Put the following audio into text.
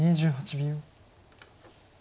２８秒。